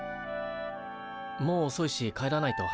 もうおそいし帰らないと。